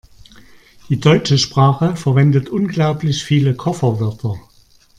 Die deutsche Sprache verwendet unglaublich viele Kofferwörter.